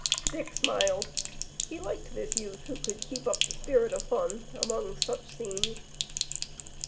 Dick smiled. He liked this youth who could keep up the spirit of fun among such scenes.